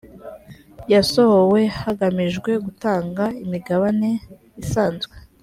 yasohowe hagamijwe gutanga imigabane isanzwe